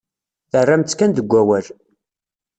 Terram-tt kan deg wawal.